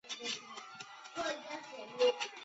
特讷伊人口变化图示